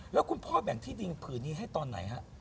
แล้วคุณพ่อแบ่งที่ดินผืนนี้ให้ตอนไหนฮะ